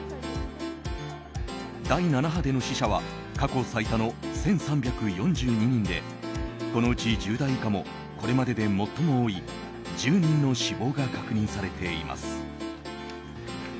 第７波での死者は過去最多の１３４２人でこのうち１０代以下もこれまでで最も多い１０人の死亡が確認されています。